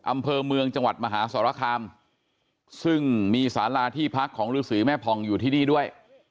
อำเภอเมืองจังหวัดมหาสรคามซึ่งมีสาราที่พักของฤษีแม่ผ่องอยู่ที่นี่ด้วย